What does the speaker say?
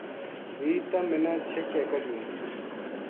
بھی تم منا چِھک کے کڈھیوں‘‘